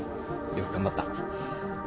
よく頑張った。